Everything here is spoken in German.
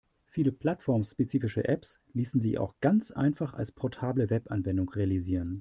Viele plattformspezifische Apps ließen sich auch ganz einfach als portable Webanwendung realisieren.